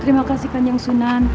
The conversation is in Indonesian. terima kasih kanjeng suna